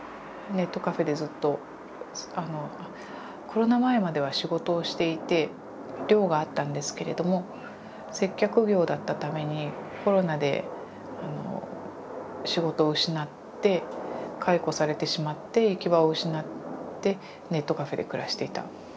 コロナ前までは仕事をしていて寮があったんですけれども接客業だったためにコロナで仕事を失って解雇されてしまって行き場を失ってネットカフェで暮らしていた。